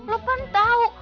lu kan tau